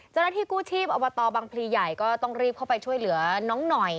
เจ้าหน้าที่กู้ชีพอบตบังพลีใหญ่ก็ต้องรีบเข้าไปช่วยเหลือน้องหน่อย